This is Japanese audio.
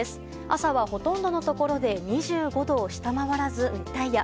朝は、ほとんどのところで２５度を下回らず、熱帯夜。